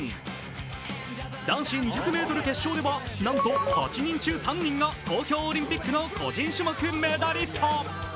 男子２００ｍ決勝ではなんと８人中３人が東京オリンピックの個人種目メダリスト。